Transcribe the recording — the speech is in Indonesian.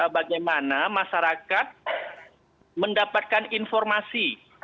bagaimana masyarakat mendapatkan informasi